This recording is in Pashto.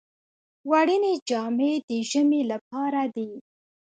وړینې جامې د ژمي لپاره دي